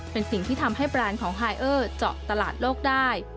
เป็นสิ่งที่ทำให้แบรนด์ของไฮเออร์เจาะตลาดโลกได้